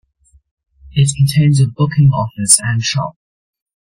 It contains a booking office and shop.